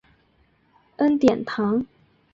恩典堂。